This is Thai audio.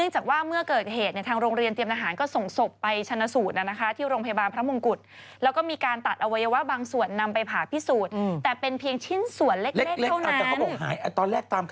ตอนแรกตามข่าวคือกระเพาะปัสสาวะหาย